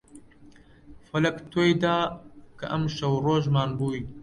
فەلەک تۆی دا کە ئەمشەو ڕۆژمان بووی